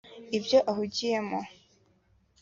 ibyo ahugiyemo